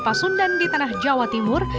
pada saat ini para peserta berada di jawa timur